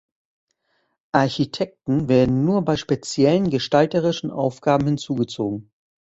Architekten werden nur bei speziellen gestalterischen Aufgaben hinzugezogen.